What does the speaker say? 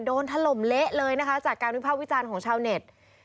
ถล่มเละเลยนะคะจากการวิภาควิจารณ์ของชาวเน็ต